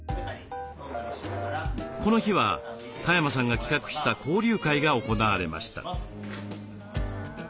この日は嘉山さんが企画した交流会が行われました。